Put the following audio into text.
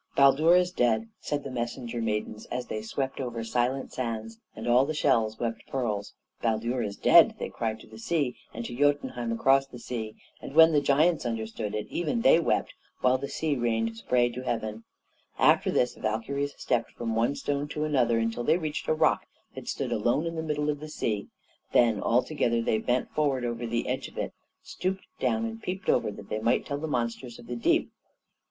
"Baldur is dead!" said the messenger maidens as they swept over silent sands; and all the shells wept pearls. "Baldur is dead!" they cried to the sea, and to Jötunheim across the sea; and when the giants understood it, even they wept, while the sea rained spray to heaven. After this the Valkyries stepped from one stone to another until they reached a rock that stood alone in the middle of the sea; then, all together, they bent forward over the edge of it, stooped down and peeped over, that they might tell the monsters of the deep.